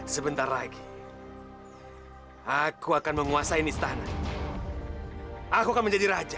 sebentar lagi aku akan menguasai istana aku akan menjadi raja